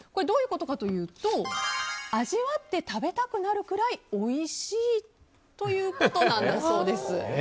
どういうことかというと味わって食べたくなるくらいおいしいということだそうです。